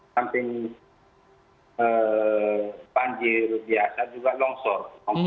samping banjir biasa juga longsor